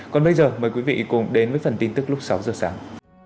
còn bây giờ mời quý vị cùng đến với phần tin tức lúc sáu giờ sáng